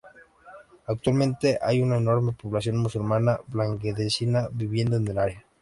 Actualmente hay una enorme población musulmana bangladesí viviendo en el área.